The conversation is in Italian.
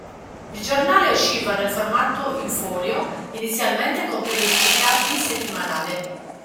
Il giornale usciva nel formato "in folio", inizialmente con periodicità bisettimanale.